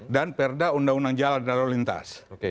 dan perda undang undang jalan dalam lintas